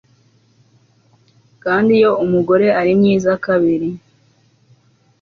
Kandi iyo umugore ari mwiza kabiri